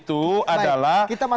itu yang ada dalam fakta hukum